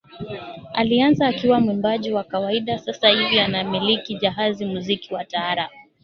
Alianza akiwa mwimbaji wa kawaida sasa hivi anamiliki Jahazi Muziki wa Taarabu